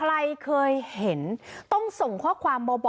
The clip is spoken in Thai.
ใครเคยเห็นต้องส่งข้อความมาบอก